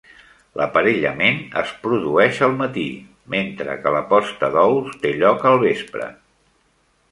L'aparellament es produeix al matí, mentre que la posta d'ous té lloc al vespre.